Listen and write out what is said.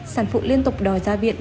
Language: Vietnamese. sản phụ liên tục đòi ra viện